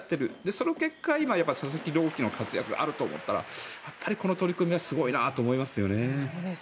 その結果、今の佐々木朗希の活躍があると思ったらやっぱりこの取り組みはすごいなと思いますよね。